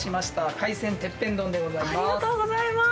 海鮮てっぺん丼でございます。